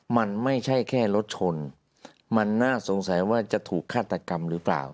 มันไม่ใช่แค่รถชนมันน่าสงสัยว่าจะถูกฆาตกรรมหรือเปล่า